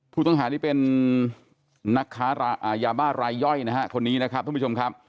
ผู้ต้องหานี่เป็นนักค้ายาบ้ารายย่อยนะฮะคนนี้นะครับท่านผู้ชมครับ